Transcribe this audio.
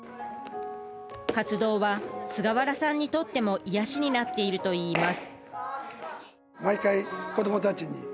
活動は菅原さんにとっても癒やしになっているといいます。